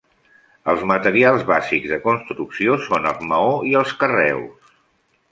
Els materials bàsics de construcció són el maó i els carreus.